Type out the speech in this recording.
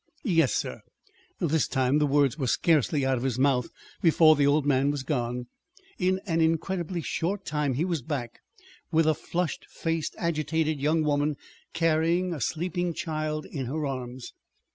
"Yes, sir." This time the words were scarcely out of his mouth before the old man was gone. In an incredibly short time he was back with a flushed faced, agitated young woman carrying a sleeping child in her arms.